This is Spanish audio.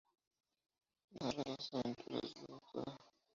Narra las aventuras de la Dra.